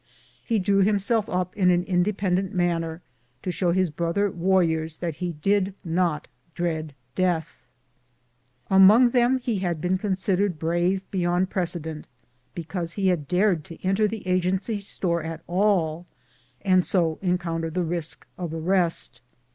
He drew himself up in an independent manner, to show his brother warriors that he did not dread deatli. Among them he had been considered brave beyond precedent, because he had dared to enter the Agency store at all, and so encounter the risk of arrest.